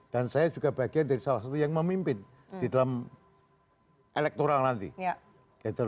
dan saya juga bagian dari salah satu yang memimpin di dalam elektoral nanti